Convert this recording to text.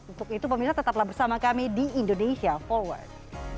untuk itu pemirsa tetaplah bersama kami di indonesia forward